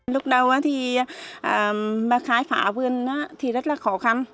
lúc đầu thì khai phá vườn thì rất là khó khăn